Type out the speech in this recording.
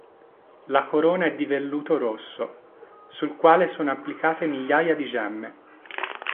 La corona è di velluto rosso sul quale sono applicate migliaia di gemme.